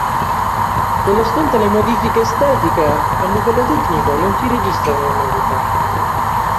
Nonostante le modifiche estetiche, a livello tecnico non si registrarono novità.